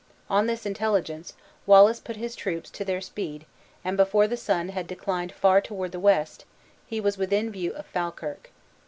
On this intelligence, Wallace put his troops to their speed and before the sun had declined far toward the west, he was within view of Falkirk.